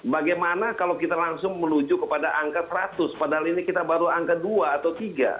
bagaimana kalau kita langsung menuju kepada angka seratus padahal ini kita baru angka dua atau tiga